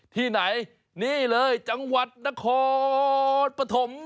ที่ไหนนี่เลยจังหวัดนครปฐม